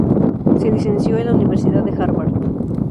Se licenció en la Universidad de Harvard.